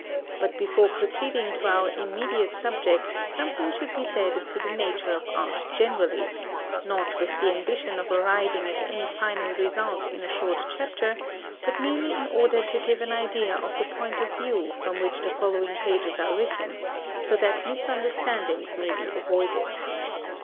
But before proceeding to our immediate subject something should be said as to the nature of art generally, not with the ambition of arriving at any final result in a short chapter, but merely in order to give an idea of the point of view from which the following pages are written, so that misunderstandings may be avoided.